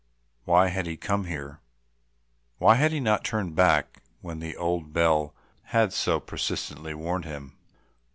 Why had he come here? Why had he not turned back when the old bell had so persistently warned him?